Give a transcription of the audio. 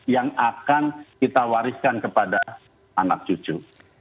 yang akan kita wariskan kepada anak cucu